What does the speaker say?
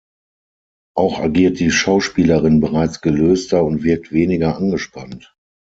Auch agiert die Schauspielerin bereits gelöster und wirkt weniger angespannt.